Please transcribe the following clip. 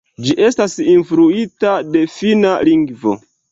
Ĝi estas influita de finna lingvo.